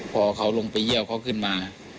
พอเขาลงไปเยี่ยวเขาขึ้นมา